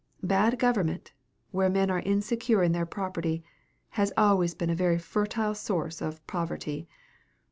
Bad government, where men are insecure in their property, has always been a very fertile source of poverty.